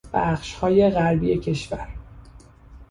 بخشهای غربی کشور